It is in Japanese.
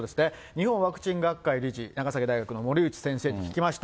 日本ワクチン学会理事、長崎大学の森内先生に聞きました。